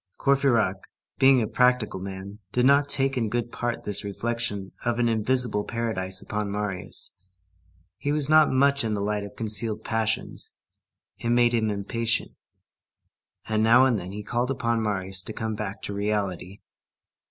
Courfeyrac, being a practical man, did not take in good part this reflection of an invisible paradise upon Marius; he was not much in the habit of concealed passions; it made him impatient, and now and then he called upon Marius to come back to reality.